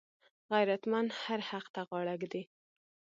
غیرتمند هر حق ته غاړه ږدي